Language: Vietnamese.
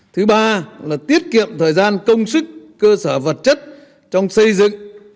thứ ba là tiết kiệm thời gian công sức cơ sở vật chất trong xây dựng